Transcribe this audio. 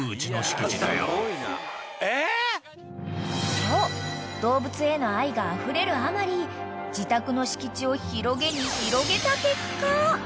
［そう動物への愛があふれるあまり自宅の敷地を広げに広げた結果］